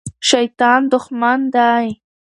شیطان دښمن دی.